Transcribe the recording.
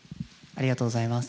ありがとうございます。